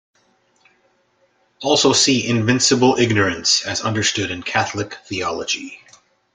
Also see "Invincible Ignorance" as understood in Catholic theology.